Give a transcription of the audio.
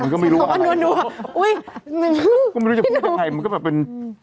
ก็ไม่รู้จะคุ้นเท่าไหร่มันก็แบบเป็น